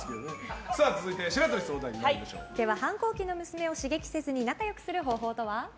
反抗期の娘を刺激せずに仲良くする方法とは？